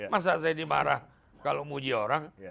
masa saya dimarah kalau menguji orang